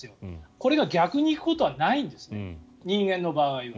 これが逆に行くことはないんです人間の場合は。